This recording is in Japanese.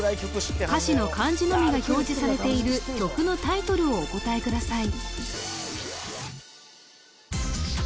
歌詞の漢字のみが表示されている曲のタイトルをお答えください